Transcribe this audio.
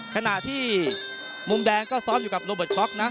ขณะที่มุมแดงก็ซ้อมอยู่กับโรเบิร์ตช็อกนะ